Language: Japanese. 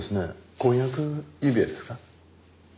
婚約指輪ですか？